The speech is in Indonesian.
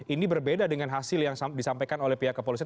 ini berbeda dengan hasil yang disampaikan oleh pihak kepolisian